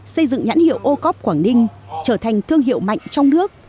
xây dựng nhãn hiệu o cop quảng ninh trở thành thương hiệu mạnh trong nước